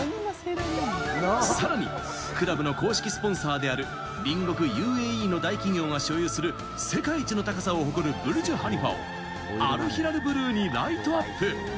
さらにクラブの公式スポンサーである隣国ＵＡＥの大企業が所有する世界一の高さを誇るブルジュハリファをアルヒラルブルーにライトアップ。